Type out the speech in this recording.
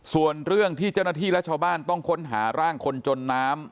ส่วนเรื่องที่เจ้าหน้าที่และชาวบ้านต้องค้นหาร่างคนจนน้ำ